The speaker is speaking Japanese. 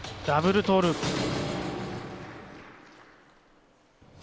ダブルトーループ。